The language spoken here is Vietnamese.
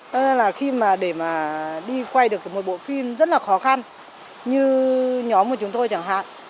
cho nên là khi mà để mà đi quay được một bộ phim rất là khó khăn như nhóm của chúng tôi chẳng hạn